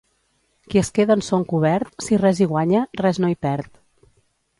Qui es queda en son cobert, si res hi guanya, res no hi perd.